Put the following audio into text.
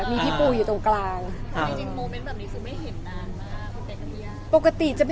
อเรนนี่มีมุมเม้นท์อย่างนี้ได้เห็นอีกไหมคะ